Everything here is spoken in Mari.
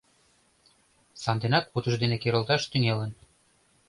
Санденак утыждене керылташ тӱҥалын.